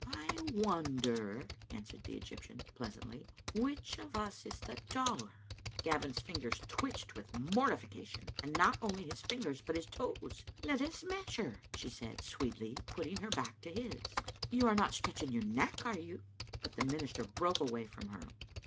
"I wonder," answered the Egjrptian, pleasantly, "which of us is the taller." Gavin's fingers twitched with mortification, and not only his fingers but his toes. " Let us measure," she said, sweetly, putting her back to his. " You are not stretching your neck, are you?" But the minister broke away from her.